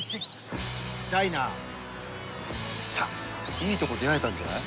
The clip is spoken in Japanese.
いいとこ出合えたんじゃない？